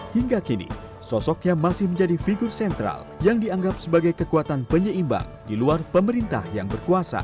hingga kini sosoknya masih menjadi figur sentral yang dianggap sebagai kekuatan penyeimbang di luar pemerintah yang berkuasa